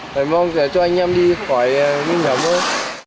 mình mong là cho anh em đi khỏi nguy hiểm thôi